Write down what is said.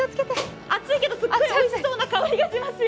熱いけど、すごいおいしそうな香りがしますよ。